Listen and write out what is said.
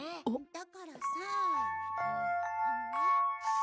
だからさぁ。